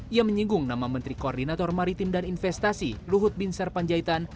ia menyinggung nama menteri koordinator maritim dan investasi luhut bin sarpanjaitan